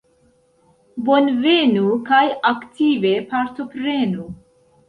Bonvenu kaj aktive partoprenu!